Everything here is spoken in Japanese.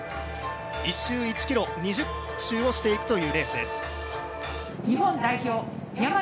１周１ｋｍ、２０周をしていくというレースです。